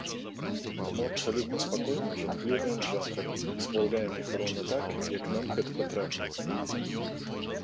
Таму абсалютна спакойна жангліруем жанрамі і сплаўляем іх роўна так, як нам гэта патрэбна.